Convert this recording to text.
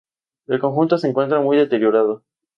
El conjunto se encuentra muy deteriorado.